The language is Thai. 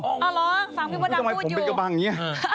อ้าวเหรอฟังพี่ประดับพูดอยู่ไม่รู้ทำไมผมเป็นกระบังอย่างนี้